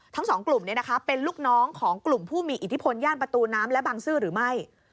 ทั้งสองกลุ่มเป็นลูกน้องของกลุ่มผู้มีอิทธิพลย่านประตูน้ำและบังซื้อหรือไม่